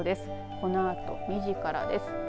このあと２時からです。